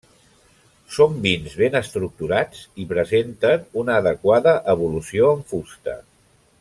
Són vins ben estructurats i presenten una adequada evolució en fusta.